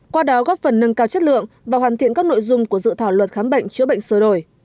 qua đó góp phần nâng cao chất lượng và hoàn thiện các nội dung của dự thảo luật khám bệnh chữa bệnh sơ đổi